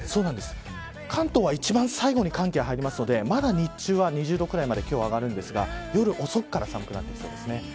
関東は一番最後に寒気が入りますのでまだ日中は２０度ぐらいまで上がりますが夜遅くから寒くなりそうですね。